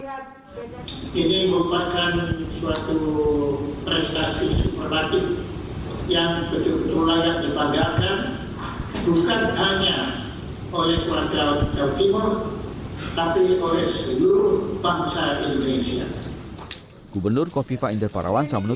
ini merupakan suatu prestasi yang berlaku yang betul betul layak dipanggarkan